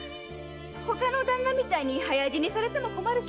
ほかの旦那みたいに早死にされても困るし。